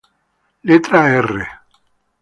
Letra "R".